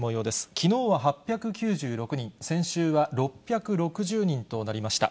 きのうは８９６人、先週は６６０人となりました。